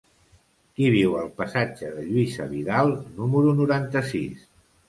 Qui viu al passatge de Lluïsa Vidal número noranta-sis?